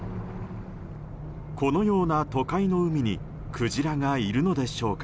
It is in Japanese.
このような都会の海にクジラがいるのでしょうか。